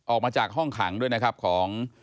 ออกมาจากห้องขังด้วยนะครับของ